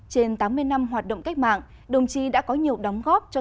trên tám mươi năm hoạt động cách mạng đồng chí đã có nhiều đóng góp